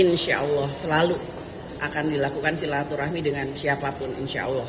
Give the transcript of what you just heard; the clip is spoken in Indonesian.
insya allah selalu akan dilakukan silaturahmi dengan siapapun insya allah